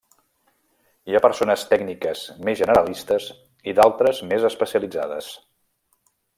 Hi ha persones tècniques més generalistes i d'altres més especialitzades.